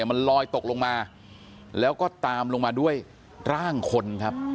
มันลอยตกลงมาแล้วก็ตามลงมาด้วยร่างคนครับ